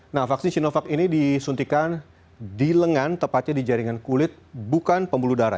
nah vaksin sinovac ini disuntikan di lengan tepatnya di jaringan kulit bukan pembuluh darah